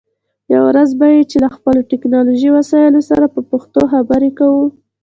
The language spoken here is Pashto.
یوه ورځ به وي چې له خپلو ټکنالوژی وسایلو سره په پښتو خبرې کوو